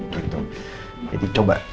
gitu jadi coba